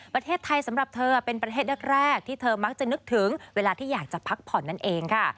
ประเทศไทยสำหรับเธอเป็นประเทศแรกที่เธอมักจะนึกถึงเวลาที่อยากจะพักผ่อนนั่นเองค่ะ